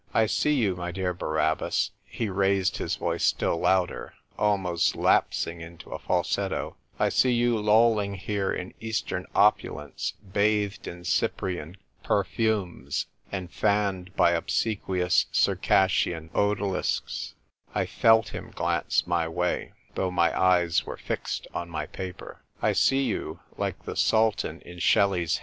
I see you, my dear Barabbas," he raised his voice still louder, almost lapsing into a falsetto, "I see you lolling here in Eastern opulence, bathed in Cyprian perfumes, and fanned by obsequious Circassian odalisques" — I/^//him glance my way, though my eyes were fixed on my paper ;" I see you,)ike the sultan in Shelley's